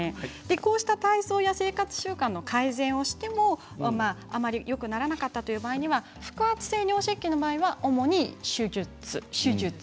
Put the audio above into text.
こうした体操や生活習慣の改善をしてもあまりよくならなかったという場合には腹圧性尿失禁の場合は主に手術。